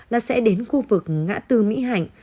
là sẽ đến khu vực ngã tư mỹ hạnh